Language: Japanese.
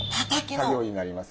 作業になります。